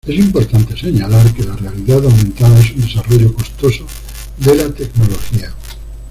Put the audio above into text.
Es importante señalar que la realidad aumentada es un desarrollo costoso de la tecnología.